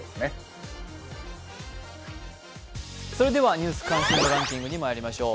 ニュース関心度ランキングにまいりましょう。